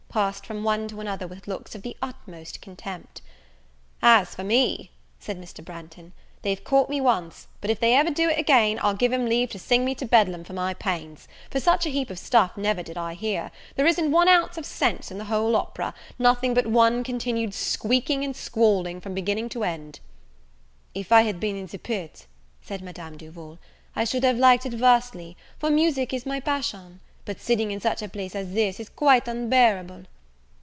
passed from one to another with looks of the utmost contempt. "As for me," said Mr. Branghton, "they've caught me once; but if ever they do again, I'll give 'em leave to sing me to Bedlam for my pains: for such a heap of stuff never did I hear: there isn't one ounce of sense in the whole opera, nothing but one continued squeaking and squalling from beginning to end." "If I had been in the pit," said Madame Duval, "I should have liked it vastly, for music is my passion; but sitting in such a place as this, is quite unbearable."